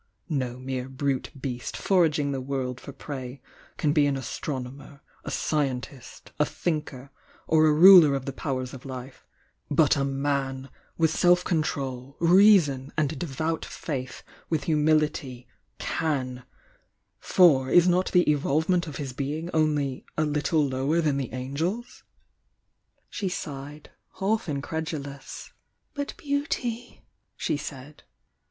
No mere brute beast foraging the world tor prey can be an astronomer, a scientist, a tomker, or a ruler of the powers of life,— but a MAN, with self control, reason, and devout faith with humihty, con'— for is not the evolvement of his being only 'a little lower than the angels'?" She sighed, half incredulous. THE YOUNG DIANA 241 "But beauty " she said.